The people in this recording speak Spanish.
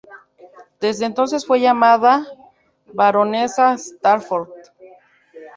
Desde entonces fue llamada Baronesa Stafford.